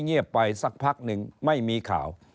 เงียบไปสักพักหนึ่งไม่มีข่าว